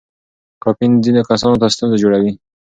کافین ځینو کسانو ته ستونزه جوړوي.